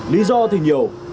lý do thì nhiều